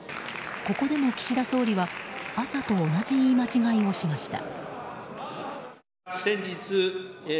ここでも岸田総理は朝と同じ言い間違えをしました。